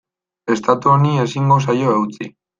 Estatu honi ezingo zaio eutsi.